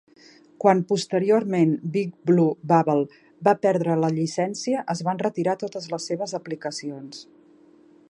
Quan, posteriorment, Big Blue Bubble va prendre la llicència, es van retirar totes les seves aplicacions.